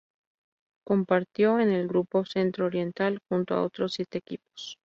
Compitió en el "Grupo Centro Oriental" junto a otros siete equipos.